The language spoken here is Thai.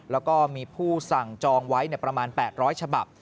แล้วก็มีผู้สั่งจองไว้ประมาณ๘๐๐ฉบับ